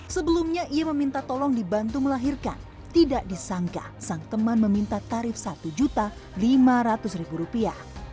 sebelumnya ia meminta tolong dibantu melahirkan tidak disangka sang teman meminta tarif satu lima ratus rupiah